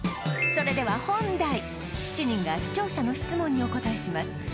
それでは本題７人が視聴者の質問にお答えします